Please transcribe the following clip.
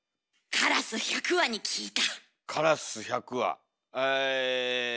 カラス１００羽に聞いた！